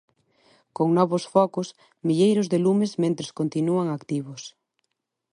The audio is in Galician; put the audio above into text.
Con novos focos, milleiros de lumes mentres continúan activos.